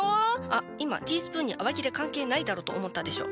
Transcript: あっ今ティースプーンに洗剤いらねえだろと思ったでしょ。